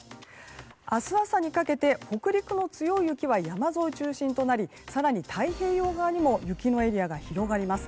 明日朝にかけて、北陸の強い雪は山沿い中心となり更に太平洋側にも雪のエリアが広がります。